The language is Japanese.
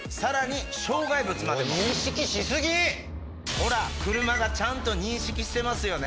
ほら車がちゃんと認識してますよね